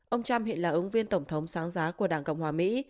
ông trump hiện là ứng viên tổng thống sáng giá của đảng cộng hòa mỹ